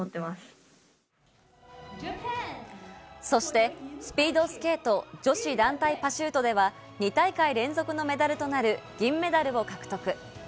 そしてスピードスケート女子団体パシュートでは、２大会連続のメダルとなる銀メダルを獲得。